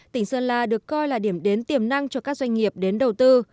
tỉnh sơn la được coi là điểm đến tiềm năng cho các doanh nghiệp đến đầu tư